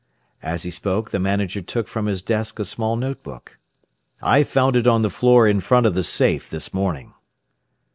As he spoke the manager took from his desk a small notebook. "I found it on the floor in front of the safe this morning."